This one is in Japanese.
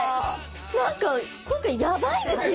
何か今回やばいですね。